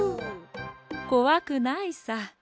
こわくないさ。